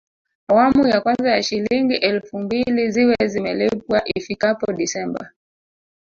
Awamu ya kwanza ya Shilingi elfu mbili ziwe zimelipwa ifikapo Disemba